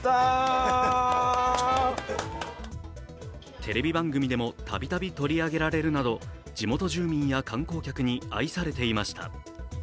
テレビ番組でもたびたび取り上げられるなど住民と住民や観光客に愛されていました。